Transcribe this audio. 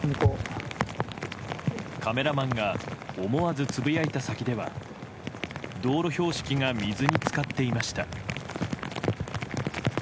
カメラマンが思わずつぶやいた先では道路標識が水に浸かっていました。